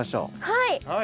はい。